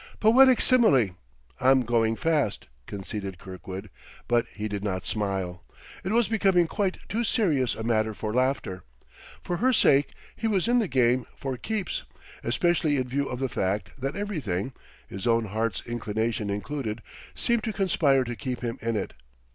"Poetic simile: I'm going fast," conceded Kirkwood; but he did not smile. It was becoming quite too serious a matter for laughter. For her sake, he was in the game "for keeps"; especially in view of the fact that everything his own heart's inclination included seemed to conspire to keep him in it.